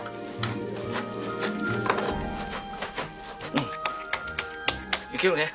うんいけるね！